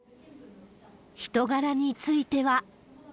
人柄については。